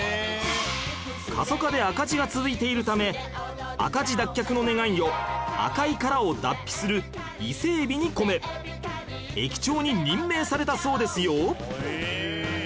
過疎化で赤字が続いているため赤字脱却の願いを赤い殻を脱皮する伊勢エビに込め駅長に任命されたそうですよ